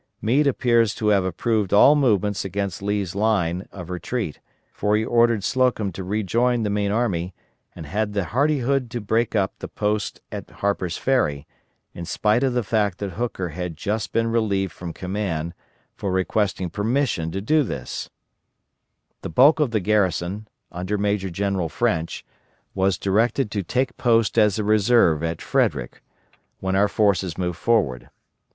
Meade appears to have disapproved all movements against Lee's line of retreat, for he ordered Slocum to rejoin the main army, and had the hardihood to break up the post at Harper's Ferry, in spite of the fact that Hooker had just been relieved from command for requesting permission to do so. The bulk of the garrison, under Major General French, was directed to take post as a reserve at Frederick, when our forces moved forward.